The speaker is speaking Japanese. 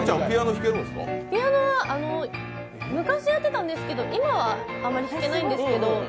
ピアノは昔やってたんですけど今はあんまりやってないんですけど。